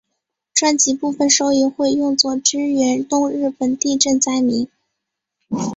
专辑部分收益会用作支援东日本地震灾民。